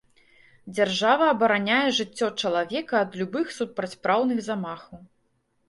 Дзяржава абараняе жыццё чалавека ад любых супрацьпраўных замахаў.